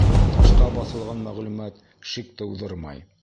— Ташҡа баҫылған мәғлүмәт шик тыуҙырмай.